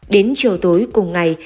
đến chiều tối cùng ngày